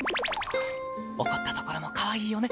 怒ったところもかわいいよね！